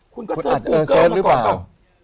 คุณก็เสิร์ฟกูเกิดมาก่อนก็